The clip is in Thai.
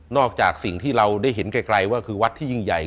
จากสิ่งที่เราได้เห็นไกลว่าคือวัดที่ยิ่งใหญ่